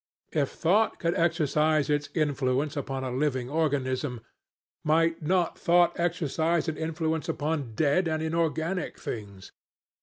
If thought could exercise its influence upon a living organism, might not thought exercise an influence upon dead and inorganic things?